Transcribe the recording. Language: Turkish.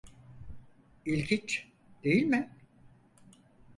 İlginç, değil mi?